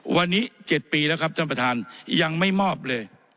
วันนี้๗ปีแล้วครับท่านประธานยังไม่มอบเลย